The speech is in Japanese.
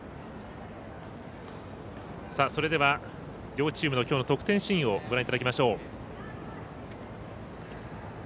それでは、両チームのきょうの得点シーンをご覧いただきましょう。